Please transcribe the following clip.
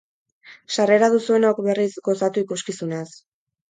Sarrera duzuenok, berriz, gozatu ikuskizunaz.